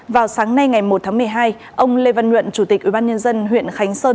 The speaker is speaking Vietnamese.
vào sáng nay ngày một tháng một mươi hai ông lê văn nhuận chủ tịch ubnd huyện khánh sơn